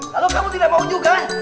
kalau kamu tidak mau juga